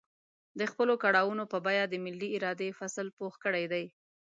د خپلو کړاوونو په بيه د ملي ارادې فصل پوخ کړی دی.